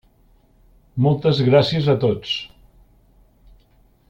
Moltes gràcies a tots.